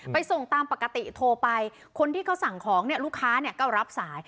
ส่งตามปกติโทรไปคนที่เขาสั่งของเนี่ยลูกค้าก็รับสาย